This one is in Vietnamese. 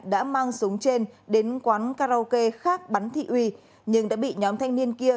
đã mang súng trên đến quán karaoke khác bắn thị uy nhưng đã bị nhóm thanh niên kia